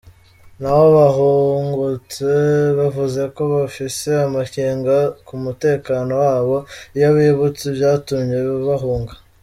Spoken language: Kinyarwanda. Naho bahungutse, bavuze ko bafise amakenga ku mutekano wabo iyo bibutse ivyatumye bahunga.